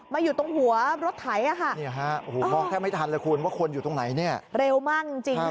พี่ช้างคือเจ้าของร้านบริการช้าช้าง